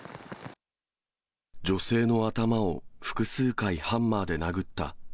女性の頭を複数回ハンマーで殴った。